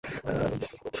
সবাইকে বেরুতে বলুন।